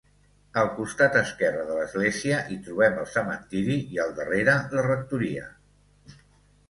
Al costat esquerre de l'església hi trobem el cementiri i al darrere, la rectoria.